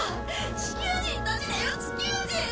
地球人たちだよ地球人！